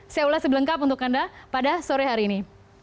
saya ulas sebelengkap untuk anda pada sore hari ini